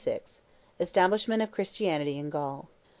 ESTABLISHMENT OF CHRISTIANITY IN GAUL.